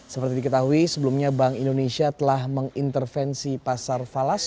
seperti diketahui sebelumnya bank indonesia telah mengintervensi pasar falas